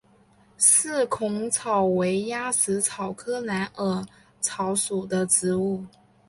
四孔草为鸭跖草科蓝耳草属的植物。